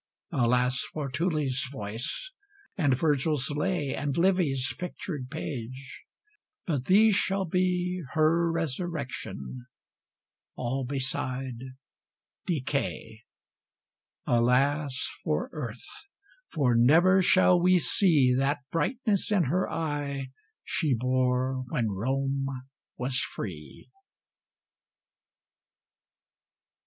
Alas for Tully's voice, and Virgil's lay, And Livy's pictured page! But these shall be Her resurrection; all beside decay. Alas for Earth, for never shall we see That brightness in her eye she bore when Rome was free!